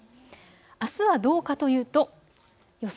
あすはどうかというと予想